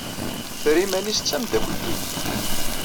Terra iman-is d tamdakelt-iw.